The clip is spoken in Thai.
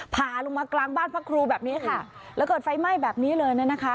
ผ่าลงมากลางบ้านพระครูแบบนี้ค่ะแล้วเกิดไฟไหม้แบบนี้เลยนะคะ